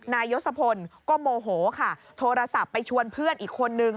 ยศพลก็โมโหค่ะโทรศัพท์ไปชวนเพื่อนอีกคนนึง